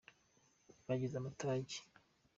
bagize amatage.